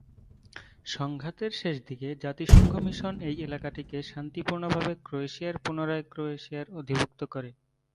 সংঘাতের শেষদিকে জাতিসংঘ মিশন এই এলাকাটিকে শান্তিপূর্ণভাবে ক্রোয়েশিয়ার পুনরায় ক্রোয়েশিয়ার অধিভুক্ত করে।